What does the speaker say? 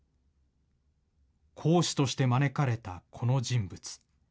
講師として招かれたこの人物。